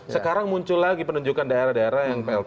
sekarang muncul lagi penunjukan daerah daerah yang plt